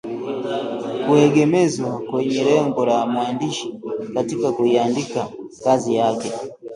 kuegemezwa kwenye lengo la mwandishi katika kuiandika kazi yake